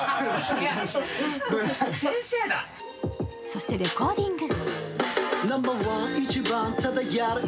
そして、レコーディング。